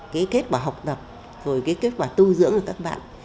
cái kết quả học tập rồi cái kết quả tu dưỡng của các bạn